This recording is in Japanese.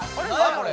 これ。